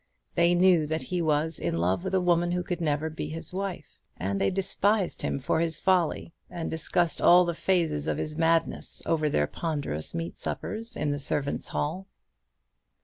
They knew that he was in love with a woman who could never be his wife; and they despised him for his folly, and discussed all the phases of his madness over their ponderous meat suppers in the servants' hall.